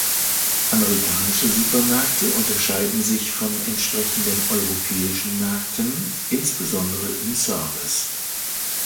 Amerikanische Supermärkte unterscheiden sich von entsprechenden europäischen Märkten insbesondere im Service.